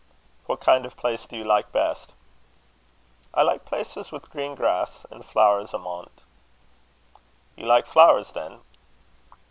"What kind of place do you like best?" "I like places wi' green grass an' flowers amo't." "You like flowers then?"